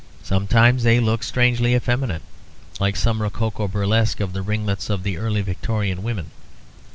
Sometimes they look strangely effeminate, like some rococo burlesque of the ringlets of an Early Victorian woman.